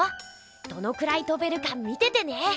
どのくらいとべるか見ててね！